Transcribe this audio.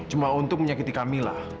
cuma untuk menyakiti camilla